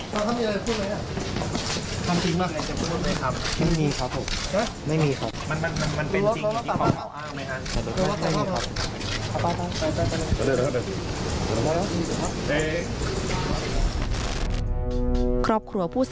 ครอบครัวผู้เสียหายืนยันผ่านนางปวีนาว่าเหตุการณ์ที่เกิดขึ้นเป็นเรื่องจริงไม่ได้กุขึ้น